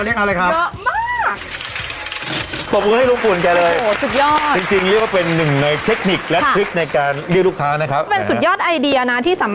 เอาอะไรครับเอาอะไรจะเลือกเอาอะไรครับ